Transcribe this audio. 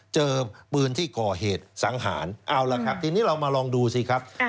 เจอปืนที่ก่อเหตุสังหารเอาละครับทีนี้เรามาลองดูสิครับ